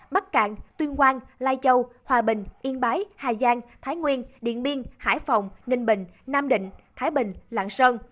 bắc cạn tuyên quang lai châu hòa bình yên bái hà giang thái nguyên điện biên hải phòng ninh bình nam định thái bình lạng sơn